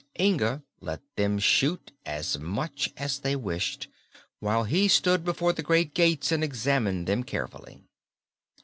Inga let them shoot as much as they wished, while he stood before the great gates and examined them carefully.